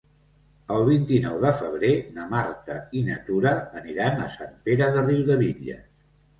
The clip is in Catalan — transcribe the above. El vint-i-nou de febrer na Marta i na Tura aniran a Sant Pere de Riudebitlles.